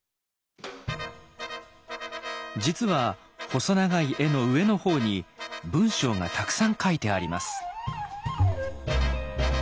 実は細長い絵の上の方に文章がたくさん書いてあります。